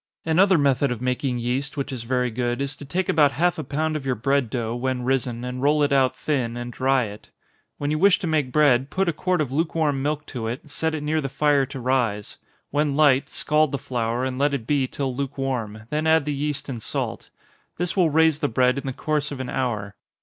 Another method of making yeast, which is very good, is to take about half a pound of your bread dough, when risen, and roll it out thin, and dry it. When you wish to make bread, put a quart of lukewarm milk to it, set it near the fire to rise when light, scald the flour, and let it be till lukewarm then add the yeast and salt. This will raise the bread in the course of an hour.